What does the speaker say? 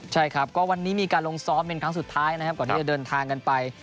ใช่ครับก็วันนี้มีการลงซ้อมเป็นครั้งสุดท้ายนะครับก่อนที่จะเดินทางกันไป